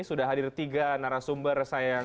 sudah hadir tiga narasumber sayang